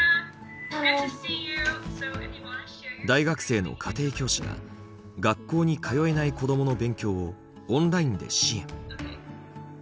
大学生の家庭教師が学校に通えない子どもの勉強をオンラインで支援。